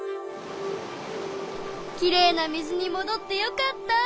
きれいな水にもどってよかった。